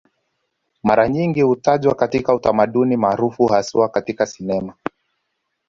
Mara nyingi hutajwa katika utamaduni maarufu haswa katika sinema